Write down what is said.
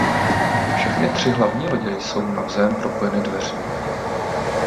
Všechny tři hlavní lodě jsou navzájem propojeny dveřmi.